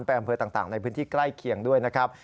บนบังคุณพื้นจากที่ใกล้เคียงด้วยนะครับ